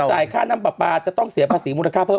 จ่ายค่าน้ำปลาปลาจะต้องเสียภาษีมูลค่าเพิ่ม